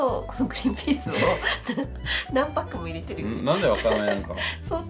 なんで分からないのか。